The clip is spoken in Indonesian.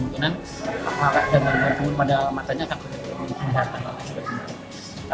yang satu kemungkinan pada matanya akan terlihat